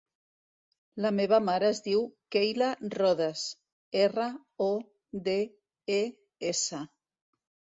La meva mare es diu Keyla Rodes: erra, o, de, e, essa.